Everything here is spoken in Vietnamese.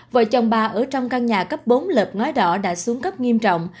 vợ chồng bà ở trong căn nhà cấp bốn lợp mái đỏ đã xuống cấp nghiêm trọng